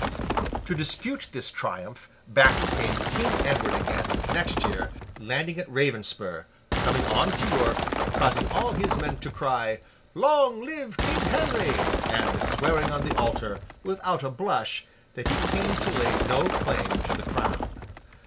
To dispute this triumph, back came King Edward again, next year, landing at Ravenspur, coming on to York, causing all his men to cry 'Long live King Henry!' and swearing on the altar, without a blush, that he came to lay no claim to the crown.